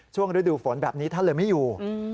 ฤดูฝนแบบนี้ท่านเลยไม่อยู่